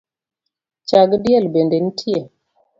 Chag diel bende nitie?